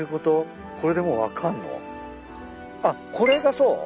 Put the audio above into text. あっこれがそう？